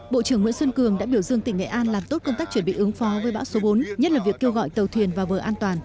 bộ trưởng nguyễn xuân cường đã biểu dương tỉnh nghệ an làm tốt công tác chuẩn bị ứng phó với bão số bốn nhất là việc kêu gọi tàu thuyền vào bờ an toàn